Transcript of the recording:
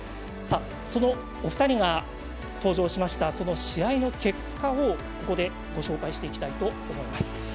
そのお二人が登場しました試合の結果をここでご紹介していきたいと思います。